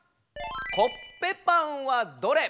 「コッペパンはどれ？」。